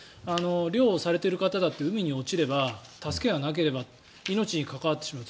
漁をされている方だって海に落ちれば助けがなければ命に関わってしまう。